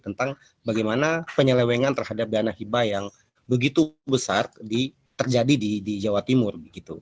tentang bagaimana penyelewengan terhadap dana hibah yang begitu besar terjadi di jawa timur